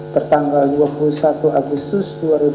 tertanggal dua puluh satu agustus dua ribu delapan belas